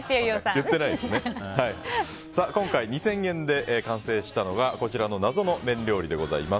今回、２０００円で完成したのがこちらの謎の麺料理でございます。